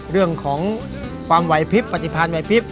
เรื่องของความไหวพิบปฏิพันธ์ไหวพิษ